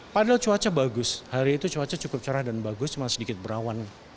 padahal cuaca bagus hari itu cuaca cukup cerah dan bagus cuma sedikit berawan